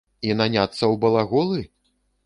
І наняцца ў балаголы?